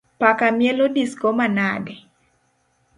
Paka mielo disko manade?